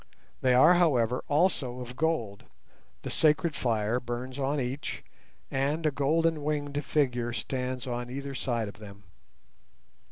They are, however, also of gold, the sacred fire burns on each, and a golden winged figure stands on either side of them.